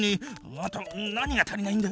あと何が足りないんだ？